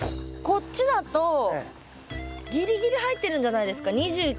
こっちだとぎりぎり入ってるんじゃないですか？